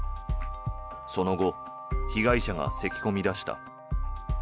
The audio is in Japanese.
その後被害者がせき込み出した。